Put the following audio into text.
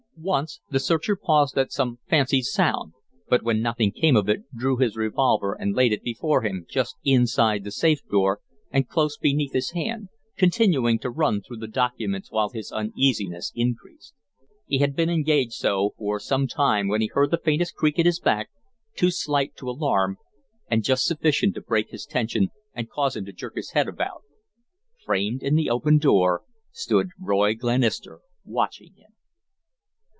Once the searcher paused at some fancied sound, but when nothing came of it drew his revolver and laid it before him just inside the safe door and close beneath his hand, continuing to run through the documents while his uneasiness increased. He had been engaged so for some time when he heard the faintest creak at his back, too slight to alarm and just sufficient to break his tension and cause him to jerk his head about. Framed in the open door stood Roy Glenister watching him.